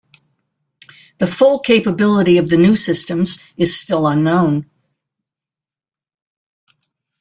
The full capability of the new systems is still unknown.